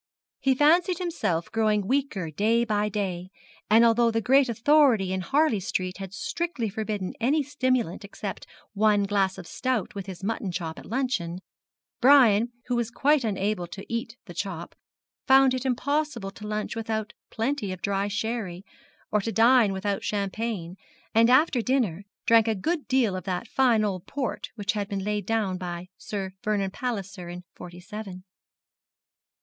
He fancied himself growing weaker day by day, and although the great authority in Harley Street had strictly forbidden any stimulant except one glass of stout with his mutton chop at luncheon, Brian, who was quite unable to eat the chop, found it impossible to lunch without plenty of dry sherry, or to dine without champagne, and after dinner drank a good deal of that fine old port which had been laid down by old Sir Vernon Palliser in forty seven.